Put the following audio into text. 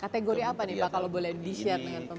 kategori apa nih pak kalau boleh di share dengan pemerintah